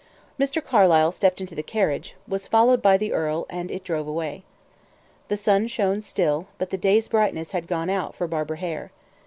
Mr. Carlyle stepped into the carriage, was followed by the earl, and it drove away. The sun shone still, but the day's brightness had gone out for Barbara Hare.